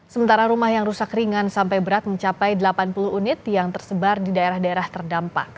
sementara rumah yang rusak ringan sampai berat mencapai delapan puluh unit yang tersebar di daerah daerah terdampak